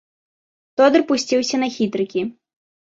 Тодар пусціўся на хітрыкі.